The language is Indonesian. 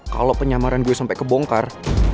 kalau penyamaran gue sampai kebongkar